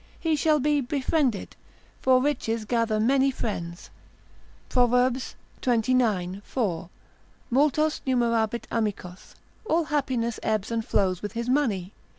He shall be befriended: for riches gather many friends, Prov. xix. 4,—multos numerabit amicos, all happiness ebbs and flows with his money.